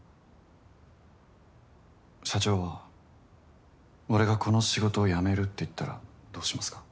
社長は俺がこの仕事を辞めるって言ったらどうしますか？